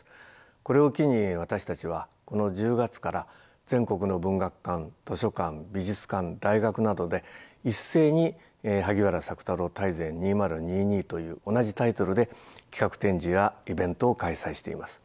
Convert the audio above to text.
これを機に私たちはこの１０月から全国の文学館図書館美術館大学などで一斉に「萩原朔太郎大全２０２２」という同じタイトルで企画展示やイベントを開催しています。